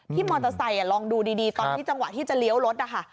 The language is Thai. มอเตอร์ไซค์ลองดูดีตอนที่จังหวะที่จะเลี้ยวรถนะคะ